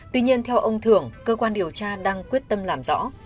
tuy nhiên theo ông thưởng cơ quan điều tra đang quyết tâm làm rõ